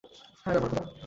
হায়রে আমার খোদা।